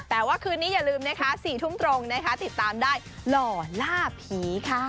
แต่ว่าคืนนี้อย่าลืมนะคะ๔ทุ่มตรงนะคะติดตามได้หล่อล่าผีค่ะ